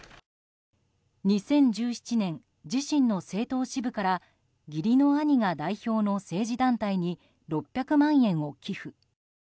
２０１７年、自身の政党支部から義理の兄が代表の政治団体に６００万円を寄付。